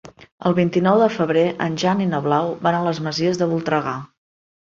El vint-i-nou de febrer en Jan i na Blau van a les Masies de Voltregà.